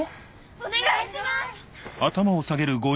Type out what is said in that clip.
お願いします！